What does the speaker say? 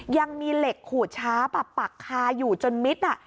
ยังมีเหล็กขูดช้าป่ะปักคาอยู่จนมิด